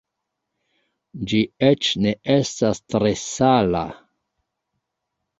Ĝi eĉ ne estas tre sala.